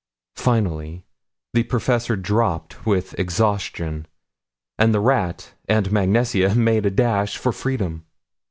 Finally the professor dropped with exhaustion and the rat and Mag Nesia made a dash for freedom.